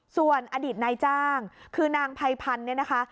ส่วนอดีตนายจ้างคือนางภัยพันธ์เนี่ยนะคะ